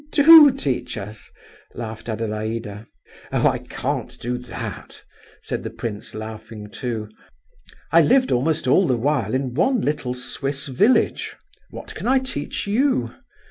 do teach us," laughed Adelaida. "Oh! I can't do that," said the prince, laughing too. "I lived almost all the while in one little Swiss village; what can I teach you?